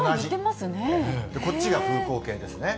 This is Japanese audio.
こっちが風向計ですね。